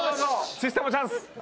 システマチャンス。